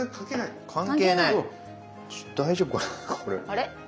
あれ？